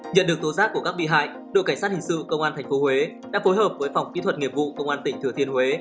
nhận được tố giác của các bị hại đội cảnh sát hình sự công an tp huế đã phối hợp với phòng kỹ thuật nghiệp vụ công an tỉnh thừa thiên huế